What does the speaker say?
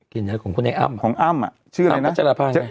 กลิ่นอะไรของคุณไอ้อ้ำของอ้ำอ่ะชื่ออะไรนะอ้ำปัจจารภาพเนี่ย